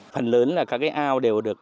phần lớn là các ao đều được